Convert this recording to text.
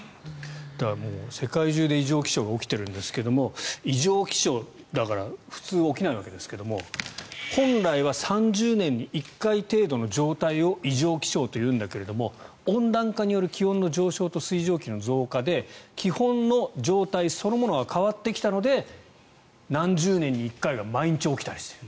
だから、世界中で異常気象が起きてるんですけども異常気象だから普通は起きないわけですが本来は３０年に１回程度の状態を異常気象というんだけれど温暖化による気温の上昇と水蒸気の増加で基本の状態そのものが変わってきたので何十年に１回が毎日起きたりしている。